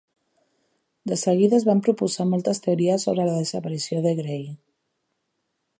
De seguida es van proposar moltes teories sobre la desaparició de Gray.